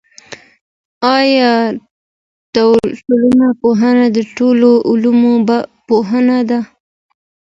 آیا ټولنپوهنه د ټولو علومو پوهنه ده؟